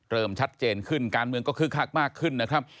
ชัดเจนขึ้นการเมืองก็คึกคักมากขึ้นนะครับ